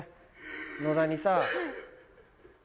野田にさ。